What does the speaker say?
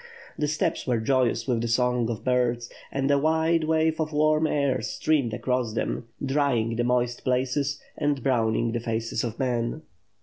The steppes were joyous with the song of birds; and a wide wave of warm air streamed across them, drjring the moist places and browning the faces of men.